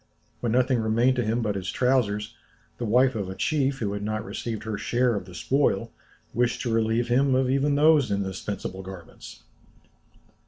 When nothing remained to him but his trousers, the wife of a chief, who had not received her share of the spoil, wished to relieve him even of those indispensable garments!